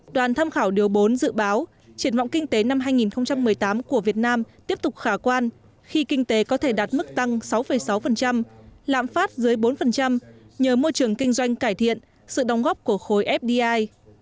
đoàn tham khảo điều bốn dự báo triển vọng kinh tế năm hai nghìn một mươi tám của việt nam tiếp tục khả quan khi kinh tế có thể đạt mức tăng sáu sáu lãm phát dưới bốn nhờ môi trường kinh doanh cải thiện sự đóng góp của khối fdi